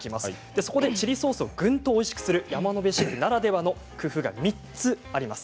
そこでチリソースをぐんとおいしくする山野辺シェフならではの工夫が３つあります。